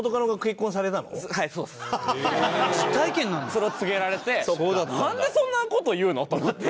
それを告げられてなんでそんな事言うの？と思って。